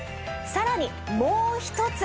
さらにもう１つ。